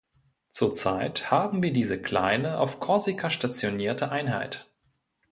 Zurzeit haben wir diese kleine, auf Korsika stationierte Einheit.